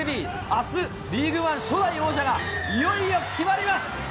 あす、リーグワン初代王者がいよいよ決まります。